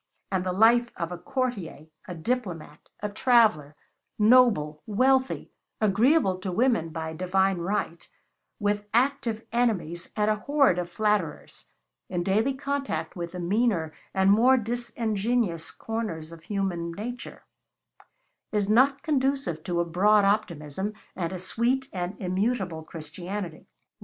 And the life of a courtier, a diplomat, a traveller, noble, wealthy, agreeable to women by divine right, with active enemies and a horde of flatterers, in daily contact with the meaner and more disingenuous corners of human nature, is not conducive to a broad optimism and a sweet and immutable Christianity.